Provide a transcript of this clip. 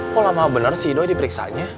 kok lama bener si ido diperiksanya